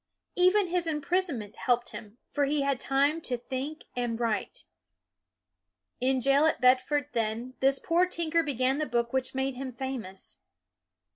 Even his imprisonment helped him, for he had time to think and write. In jail at Bedford, then, this poor tinker began the book which made him famous.